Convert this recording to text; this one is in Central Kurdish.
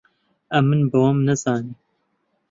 ئەمن بە وەم نەزانی